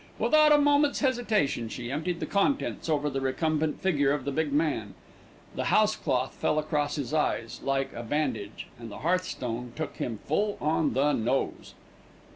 Without a moment's hesitation she emptied the contents over the recumbent figure of the big man. The house cloth fell across his eyes, like a bandage, and the hearthstone took him full on the nose.